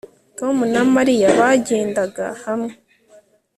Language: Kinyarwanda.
Tom na Mariya bagendaga hamwe